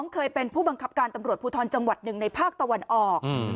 เคยเป็นผู้บังคับการตำรวจภูทรจังหวัดหนึ่งในภาคตะวันออก